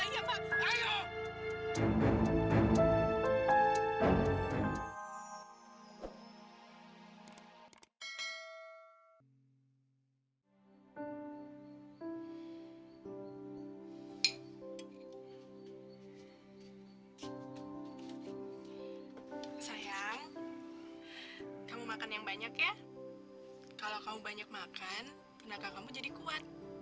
sampai jumpa di video selanjutnya